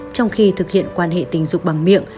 trong khi thực hiện quan hệ tình dục bằng miệng